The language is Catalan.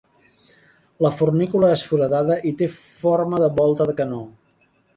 La fornícula és foradada i té forma de volta de canó.